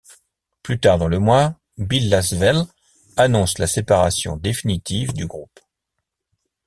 Plus tard dans le mois, Bill Laswell annonce la séparation définitive du groupe.